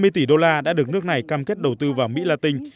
hai trăm năm mươi tỷ đô la đã được nước này cam kết đầu tư vào mỹ la tinh